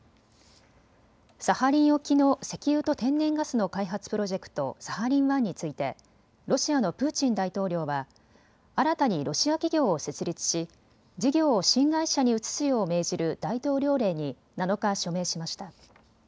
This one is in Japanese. サハリン沖の石油と天然ガスの開発プロジェクト、サハリン１についてロシアのプーチン大統領は新たにロシア企業を設立し事業を新会社に移すよう命じる大統領令に７日、署名しました。